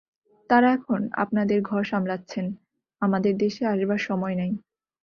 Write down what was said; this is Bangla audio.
তাঁরা এখন আপনাদের ঘর সামলাচ্ছেন, আমাদের দেশে আসবার সময় নাই।